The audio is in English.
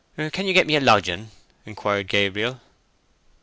"Can you get me a lodging?" inquired Gabriel.